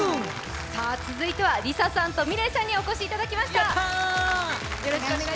続いてはＬｉＳＡさんとｍｉｌｅｔさんにお越しいただきました